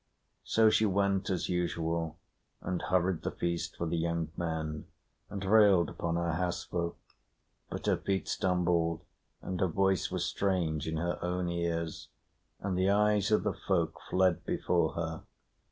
So she went as usual, and hurried the feast for the young men, and railed upon her house folk, but her feet stumbled, and her voice was strange in her own ears, and the eyes of the folk fled before her.